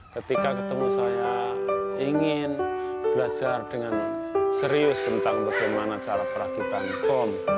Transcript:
ketika ketemu saya ingin belajar dengan serius tentang bagaimana cara perakitan bom